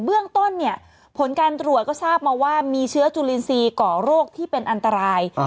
เบื้องต้นเนี่ยผลการตรวจก็ทราบมาว่ามีเชื้อจุลินทรีย์ก่อโรคที่เป็นอันตราย